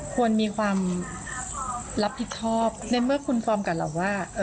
ควรมีความรับผิดชอบในเมื่อคุณฟอร์มกับเราว่า